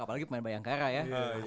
apalagi pemain bayangkara ya